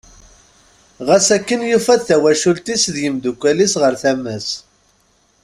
Ɣas akken yufa-d tawacult-is d yimddukal-is ɣer tama-s.